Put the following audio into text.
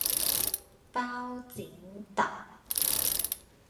包剪~~揼